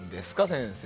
先生。